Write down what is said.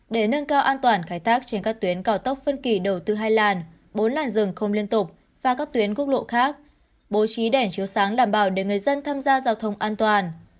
để nâng cao an toàn khai thác trên các tuyến cao tốc phân kỳ đầu tư hai làn bốn làn rừng không liên tục và các tuyến quốc lộ khác bố trí đèn chiếu sáng đảm bảo để người dân tham gia giao thông an toàn